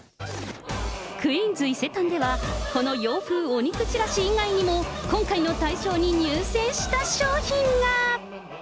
クイーンズ伊勢丹では、この洋風お肉ちらし以外にも、今回の大賞に入選した商品が。